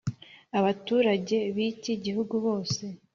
Abaturage b iki gihugu bose